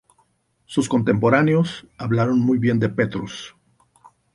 Sus contemporáneos hablaron muy bien de Petrus.